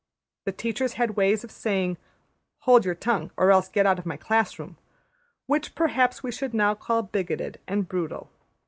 The teachers had ways of saying, ``Hold your tongue, or else go out of my class room,'' which perhaps we should now call bigoted and brutal.